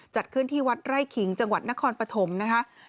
จัดขึ้นที่วัดไร่ขิงจังหวัดนครปฐมนะคะ